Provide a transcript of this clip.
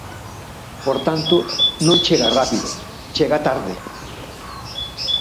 Por tanto, non chega rápido, chega tarde.